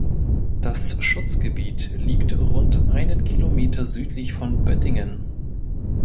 Das Schutzgebiet liegt rund einen Kilometer südlich von Böttingen.